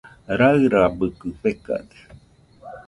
Rairabɨkɨ fekade.